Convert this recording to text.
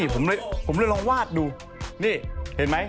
ผมเลยลองวาดดูนี่เห็นไหม